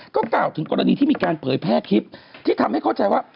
ก็กล่าวถึงกรณีที่มีการเผยแพร่คลิปที่ทำให้เข้าใจว่า